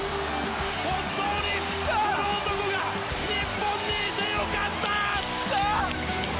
本当にこの男が日本にいて良かった！